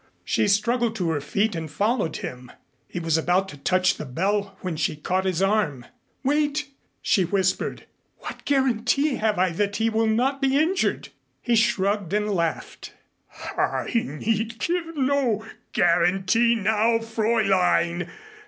She struggled to her feet and followed him. He was about to touch the bell when she caught his arm. "Wait!" she whispered. "What guarantee have I that he will not be injured?" He shrugged and laughed. "I need give no guarantee now, Fräulein.